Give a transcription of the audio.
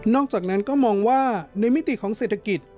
อกจากนั้นก็มองว่าในมิติของเศรษฐกิจ